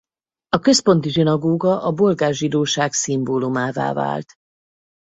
A központi zsinagóga a bolgár zsidóság szimbólumává vált.